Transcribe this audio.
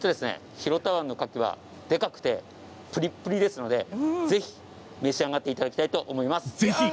広田湾のカキはでかくてプリプリですのでぜひ召し上がっていただきたいと思います。